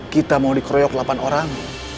kita mau dikeroyok delapan orang